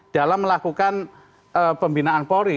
dalam melakukan pembinaan polri